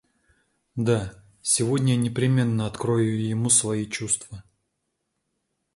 Да, сегодня я непременно открою ему свои чувства.